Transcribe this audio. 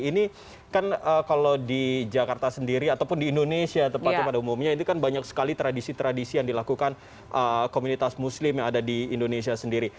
ini kan kalau di jakarta sendiri ataupun di indonesia tepatnya pada umumnya itu kan banyak sekali tradisi tradisi yang dilakukan komunitas muslim yang ada di indonesia sendiri